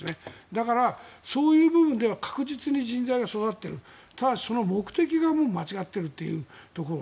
だから、そういう部分では確実に人材は育っているただしその目的が間違っているというところ。